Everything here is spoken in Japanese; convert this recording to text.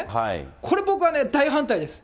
これ、僕は大反対です。